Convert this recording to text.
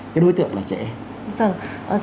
cái đối tượng là trẻ em